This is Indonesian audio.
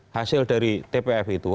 hasil dari tpf itu